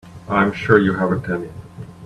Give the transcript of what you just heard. I'm sure you haven't any.